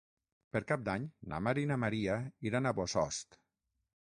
Per Cap d'Any na Mar i na Maria iran a Bossòst.